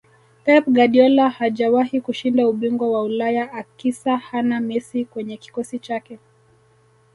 pep guardiola hajawahi kushinda ubingwa wa ulaya akisa hana messi kwenye kikosi chake